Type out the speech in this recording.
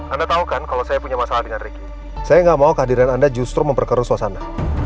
anda tahu kan kalau saya punya masalah dengan ricky saya nggak mau kehadiran anda justru memperkeruh suasana